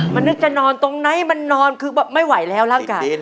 มันนึกจะนอนตรงไหนมันนอนคือไม่ไหวแล้วร่างกาย